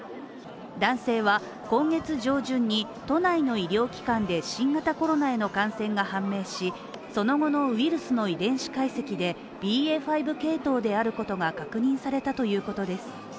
男性は今月上旬に都内の医療機関で新型コロナへの感染が判明し、その後のウイルスの遺伝子解析でＢＡ．５系統であることが確認されたということです。